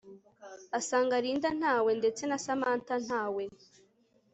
asanga Linda ntawe ndetse na Samantha ntawe